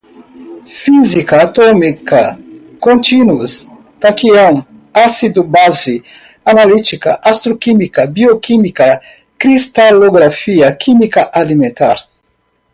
física atômica, contínuos, taquião, ácido-base, analítica, astroquímica, bioquímica, cristalografia, química alimentar